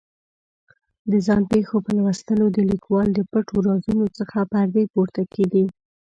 د ځان پېښو په لوستلو د لیکوال د پټو رازونو څخه پردې پورته کېږي.